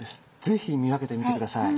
是非見分けてみて下さい。